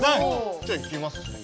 じゃいきますよ。